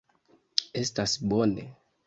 Estas bone!